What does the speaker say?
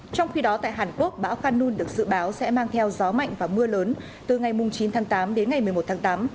trong khi đó tại hàn quốc bão khanun được dự báo sẽ mang theo gió mạnh và mưa lớn từ ngày chín tháng tám đến ngày một mươi một tháng tám